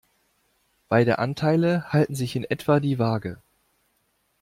Beide Anteile halten sich in etwa die Waage.